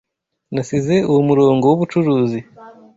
Nasize uwo murongo w'ubucuruzi.